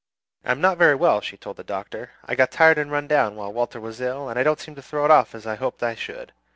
"I am not very well," she told the Doctor. "I got tired and run down while Walter was ill, and I don't seem to throw it off as I hoped I should.